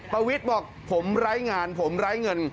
ประวิทย์บอกผมไร้งานผมไร้เงิน